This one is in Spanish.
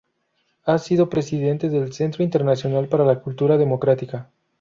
Ha sido Presidente del Centro Internacional para la Cultura Democrática.